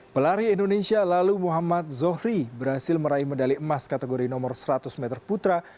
pelari indonesia lalu muhammad zohri berhasil meraih medali emas kategori nomor seratus meter putra